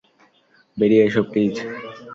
বেরিয়ে এসো, প্লীজ?